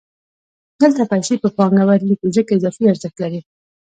دلته پیسې په پانګه بدلېږي ځکه اضافي ارزښت لري